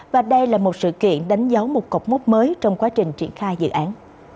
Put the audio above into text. và đây là một sự kiện đánh dấu một cọc mốt mới trong quá trình triển khai dự án